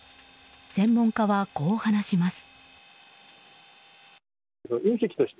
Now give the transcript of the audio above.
専門家はこう話します。